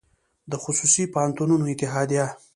د خصوصي پوهنتونونو اتحادیه